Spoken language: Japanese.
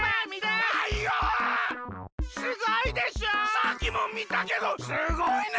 さっきもみたけどすごいね！